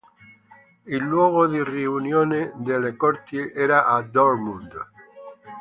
Il luogo di riunione delle corti era a Dortmund.